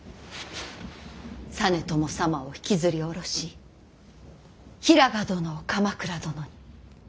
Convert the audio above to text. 実朝様を引きずり下ろし平賀殿を鎌倉殿に。